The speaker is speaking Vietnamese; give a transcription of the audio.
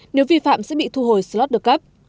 nếu vi phạm sẽ bị thu hồi slot được cấp